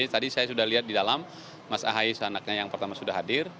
tadi saya sudah lihat di dalam mas ahaye seanaknya yang pertama sudah hadir